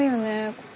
ここ。